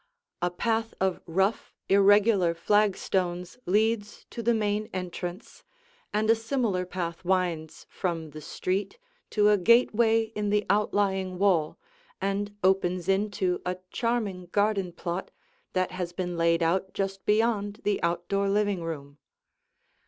A path of rough, irregular flagstones leads to the main entrance, and a similar path winds from the street to a gateway in the outlying wall and opens into a charming garden plot that has been laid out just beyond the outdoor living room.